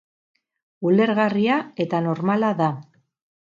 Ulergarria eta normala da.